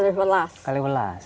itu sudah kaliwelas